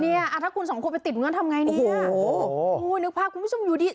อ่ะถ้าคุณสองคนไปติดเงินทำไงเนี่ยโอ้โหนึกภาพคุณผู้ชมอยู่ดี